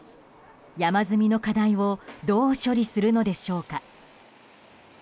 山積みの課題をどう処理するのでしょうか。